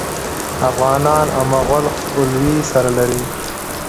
افغانان او مغول خپلوي سره لري.